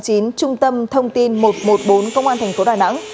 trung tâm thông tin một trăm một mươi bốn công an tp đà nẵng